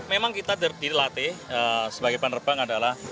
memang kita dilatih sebagai penerbang adalah